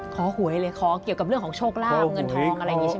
หวยเลยขอเกี่ยวกับเรื่องของโชคลาบเงินทองอะไรอย่างนี้ใช่ไหม